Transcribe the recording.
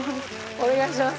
お願いします